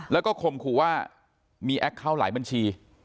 แล้วก็ข่มขู่ว่ามีแอคเคาน์หลายบัญชี